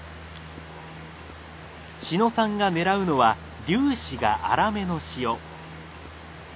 志野さんが狙うのは粒子が粗めの塩。